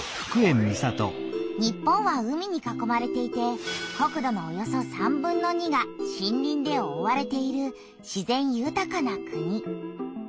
日本は海に囲まれていて国土のおよそ３分の２が森林でおおわれている自然ゆたかな国。